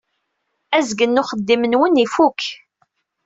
Azgen n uxeddim-nwen ifukk.